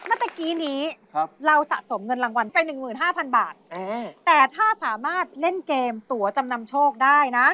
ตะกี้นี้เราสะสมเงินรางวัลไป๑๕๐๐๐บาทแต่ถ้าสามารถเล่นเกมตัวจำนำโชคได้นะ